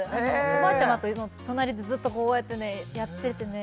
おばあちゃまと隣でずっとこうやってやっててね